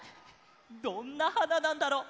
どんなはななんだろう？